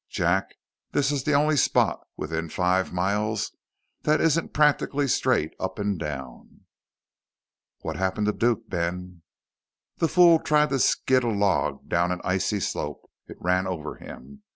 Jack this is the only spot within five miles that isn't practically straight up and down!" "What happened to Duke, Ben?" "The fool tried to skid a log down an icy slope. It ran over him.